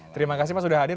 terima kasih pak sudah hadir